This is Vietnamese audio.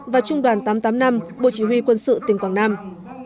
và trung đoàn tám trăm tám mươi năm bộ chỉ huy quân sự tỉnh quảng nam